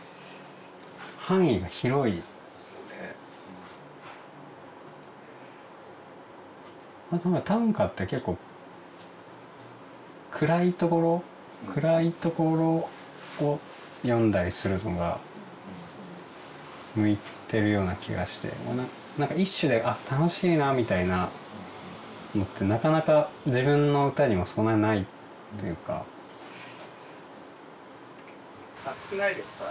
範囲が広いのであとまぁ短歌って結構暗いところ暗いところを詠んだりするのが向いてるような気がして何か１首で楽しいなみたいなのってなかなか自分の歌にもそんなにないっていうか暑くないですか？